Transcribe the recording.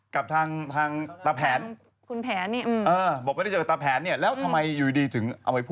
กับทางตาแผน